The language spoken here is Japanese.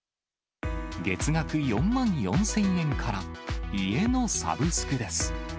月額４万４０００円から、家のサブスクです。